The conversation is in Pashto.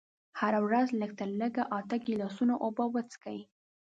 هره ورځ لږ تر لږه اته ګيلاسه اوبه وڅښئ.